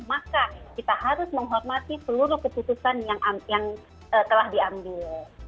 maka kita harus menghormati seluruh keputusan yang telah diambil